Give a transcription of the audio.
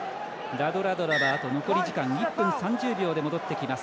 ラドラドラは、残り時間１分３０秒で戻ってきます。